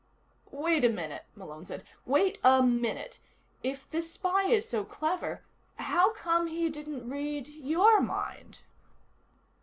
"Wait a minute," Malone said. "Wait a minute. If this spy is so clever, how come he didn't read your mind?"